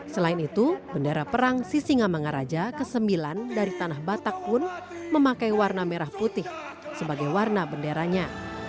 selain itu bendera perang sisingamangaraja ke sembilan dari tanah batak pun memakai warna merah putih sebagai warna benderanya